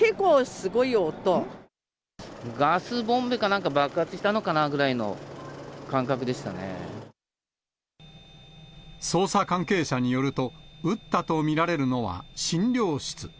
ガスボンベかなんか爆発した捜査関係者によると、撃ったと見られるのは、診療室。